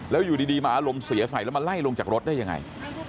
แล้วอยู่ดีมาอารมณ์เสียใส่แล้วมาไล่ลงจากรถได้ยังไง